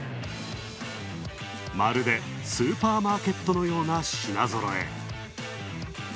まるで、スーパーマーケットのような品ぞろえ。